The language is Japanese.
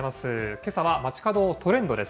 けさは、まちかどトレンドです。